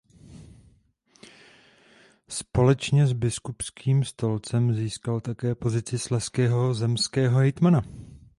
Společně s biskupským stolcem získal také pozici slezského zemského hejtmana.